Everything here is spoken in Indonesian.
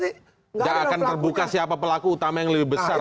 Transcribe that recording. tidak akan terbuka siapa pelaku utama yang lebih besar